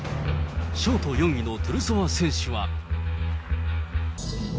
ショート４位のトゥルソワ選手は。